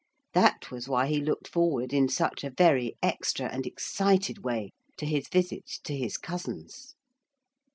That was why he looked forward in such a very extra and excited way to his visit to his cousins.